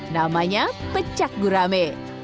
namanya pecak gurame